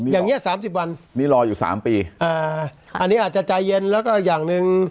อย่างเงี้สามสิบวันนี้รออยู่สามปีอ่าอันนี้อาจจะใจเย็นแล้วก็อย่างหนึ่ง